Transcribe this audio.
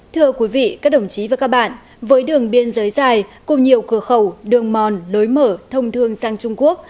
thưa quý vị các đồng chí và các bạn với đường biên giới dài cùng nhiều cửa khẩu đường mòn lối mở thông thương sang trung quốc